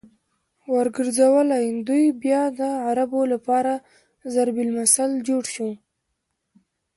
ورګرځولې!! دوی بيا د عربو لپاره ضرب المثل جوړ شو